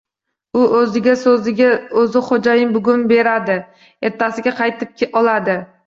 U o’z so’ziga o’zi xo’jayin bugun beradi, ertasiga qaytib oladi.